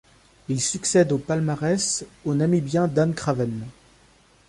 Il succède au palmarès au Namibien Dan Craven.